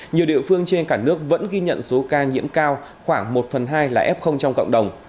nhiều địa phương trên cả nước vẫn ghi nhận số ca nhiễm cao khoảng một phần hai là f trong cộng đồng